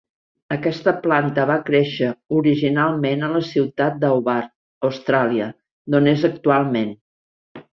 Aquesta planta va créixer originalment a la ciutat de Hobart, Austràlia, d'on és actualment.